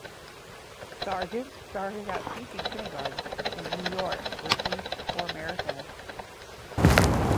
Sargent started out teaching kindergarten in New York for Teach for America.